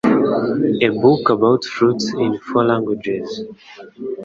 A book about fruits in four languages